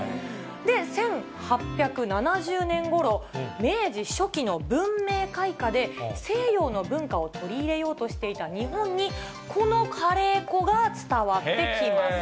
１８７０年ごろ、明治初期の文明開化で、西洋の文化を取り入れようとしていた日本に、このカレー粉が伝わってきます。